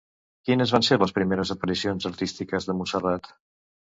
Quines van ser les primeres aparicions artístiques de Montserrat?